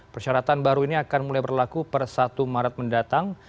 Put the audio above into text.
persyaratan baru ini akan mulai berlaku per satu maret mendatang